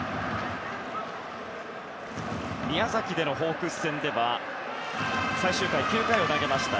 宮崎でのホークス戦では最終回、９回を投げました。